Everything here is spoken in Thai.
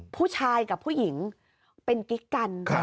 ผู้ชายกับผู้หญิงเป็นกิ๊กกัน